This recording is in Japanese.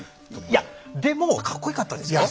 いやでもかっこよかったですよ。